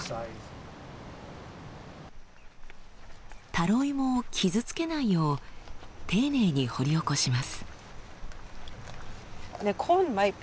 タロイモを傷つけないよう丁寧に掘り起こします。